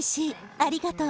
ありがとう。